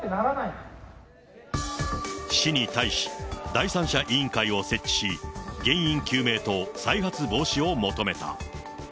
市に対し、第三者委員会を設置し、原因究明と再発防止を求めた。